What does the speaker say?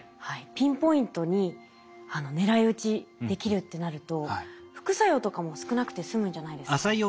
ピンポイントに狙い撃ちできるってなると副作用とかも少なくてすむんじゃないですかね。